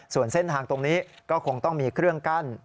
ส่วนเส้นทางตรงนี้ก็คงต้องมีเครื่องกั้น